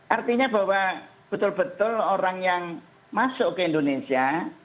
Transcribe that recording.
artinya bahwa betul betul orang yang masuk ke indonesia